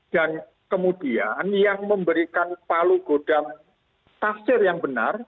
dan kemudian yang memberikan palu gudang tafsir yang benar